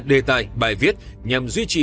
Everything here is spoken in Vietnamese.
đề tài bài viết nhằm duy trì